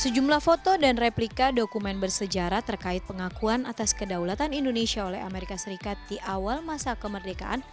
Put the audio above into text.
sejumlah foto dan replika dokumen bersejarah terkait pengakuan atas kedaulatan indonesia oleh amerika serikat di awal masa kemerdekaan